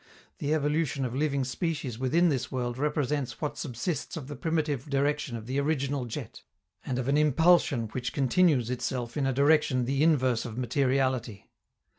The evolution of living species within this world represents what subsists of the primitive direction of the original jet, and of an impulsion which continues itself in a direction the inverse of materiality.